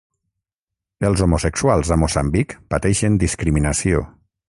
Els homosexuals a Moçambic pateixen discriminació.